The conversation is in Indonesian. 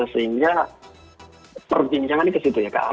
sehingga perbincangannya ke situ ya